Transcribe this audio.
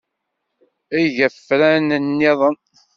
Eg afran-nniḍen.